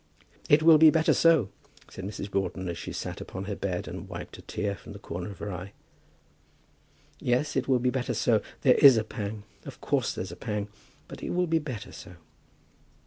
"It will be better so," said Mrs. Broughton, as she sat upon her bed and wiped a tear from the corner of her eye. "Yes; it will be better so. There is a pang. Of course there's a pang. But it will be better so."